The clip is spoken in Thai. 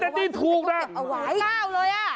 อันนี้ถูกนะจริงเอาไว้จริงเอาไว้จริงเอาไว้